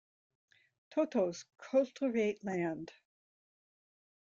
Totos cultivate land.